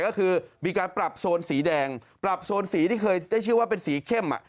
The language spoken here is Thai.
ก็คือมีการปรับโซนสีแดงปรับโซนสีที่เคยได้ชื่อว่าเป็นสีเข้ม